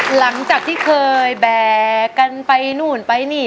หลังจากที่เคยแบกกันไปนู่นไปนี่